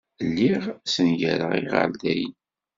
Lliɣ ssengareɣ iɣerdayen.